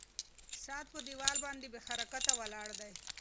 ساعت په دیوال باندې بې حرکته ولاړ دی.